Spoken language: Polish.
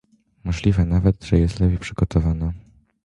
Możliwe nawet, że jest lepiej przygotowana